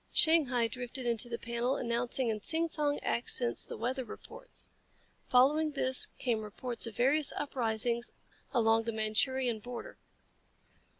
Shanghai drifted into the panel, announcing in sing song accents the weather reports. Following this came reports of various uprisings along the Manchurian border.